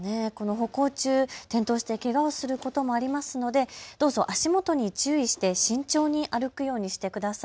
歩行中、転倒してけがをすることもありますので、どうぞ足元に注意して慎重に歩くようにしてください。